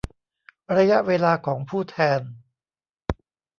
ระยะเวลาของผู้แทน